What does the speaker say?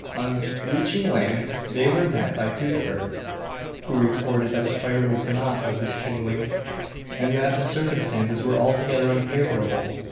On reaching land they were met by Cuthbert, who reported that the fire was not of his kindling, and that the circumstances were altogether unfavourable.